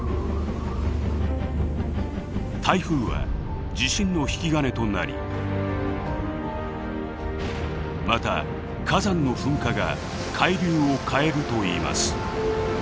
台風は地震の引き金となりまた火山の噴火が海流を変えるといいます。